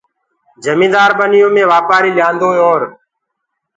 جميندآر ٻنيو مي وآپآري ليآندوئي اور